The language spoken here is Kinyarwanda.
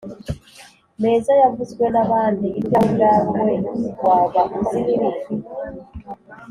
meza yavuzwe n’abandi, ibyawe ubwawe waba uzi, n’ibindi